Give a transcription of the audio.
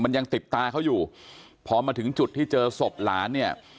มันยังติดตาเขาอยู่พอมาถึงจุดที่เจอศพหลานเนี่ย